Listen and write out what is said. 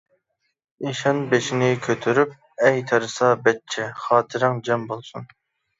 ئىشان بېشىنى كۆتۈرۈپ:-ئەي تەرسا بەچچە، خاتىرەڭ جەم بولسۇن!